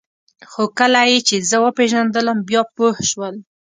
خو کله یې چې زه وپېژندلم بیا پوه شول